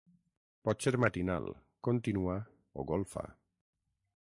Pot ser matinal, contínua o golfa.